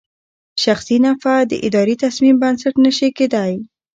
شخصي نفعه د اداري تصمیم بنسټ نه شي کېدای.